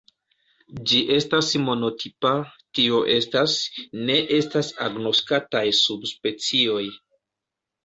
Ĝi estas monotipa, tio estas, ne estas agnoskataj subspecioj.